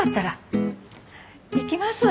行きます。